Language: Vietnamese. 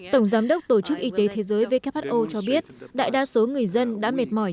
tổng giám đốc tổ chức y tế thế giới who cho biết đại đa số người dân đã mệt mỏi